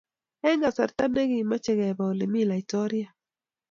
Eng kasarta ni komeche kebe ole mi laitoriat